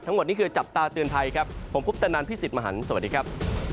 นี่คือจับตาเตือนภัยครับผมคุปตนันพี่สิทธิ์มหันฯสวัสดีครับ